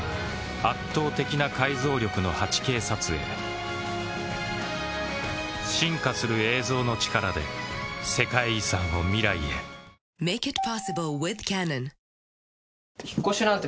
圧倒的な解像力の８Ｋ撮影進化する映像の力で世界遺産を未来へ引っ越しなんて